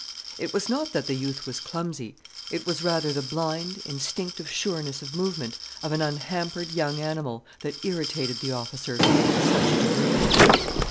It was not that the youth was clumsy: it was rather the blind, instinctive sureness of movement of an unhampered young animal that irritated the officer to such a degree.